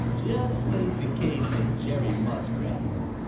Just take the ease of Jerry Muskrat.